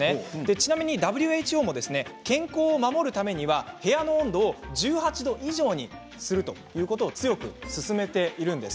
ちなみに、ＷＨＯも健康を守るためには部屋の温度を１８度以上にするということを強く勧めているんです。